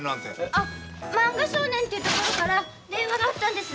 あっ「漫画少年」っていうところから電話があったんです。